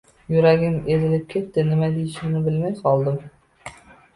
Yuragim ezilib ketdi, nima deyishimni bilmay qoldim